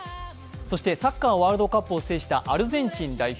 そしてサッカー・ワールドカップを制したアルゼンチン代表。